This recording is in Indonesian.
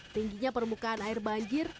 tingginya permukaan air banjir